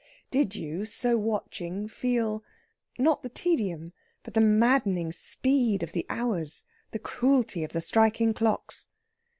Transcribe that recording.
Did you, so watching, feel not the tedium but the maddening speed of the hours, the cruelty of the striking clocks?